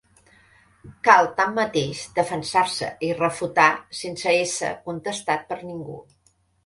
Cal tanmateix defensar-se i refutar sense ésser contestat per ningú.